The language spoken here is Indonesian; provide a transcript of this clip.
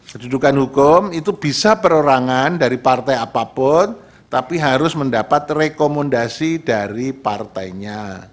sedudukan hukum itu bisa perorangan dari partai apapun tapi harus mendapat rekomendasi dari partainya